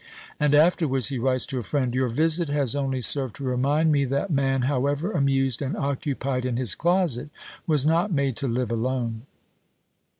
And afterwards he writes to a friend, "Your visit has only served to remind me that man, however amused and occupied in his closet, was not made to live alone."